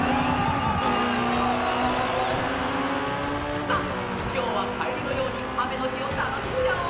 さあきょうはカエルのようにあめのひをたのしんじゃおう！